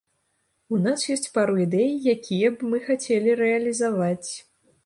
У нас ёсць пару ідэй, якія б мы хацелі рэалізаваць.